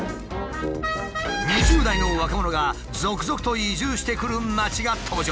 ２０代の若者が続々と移住してくる町が登場。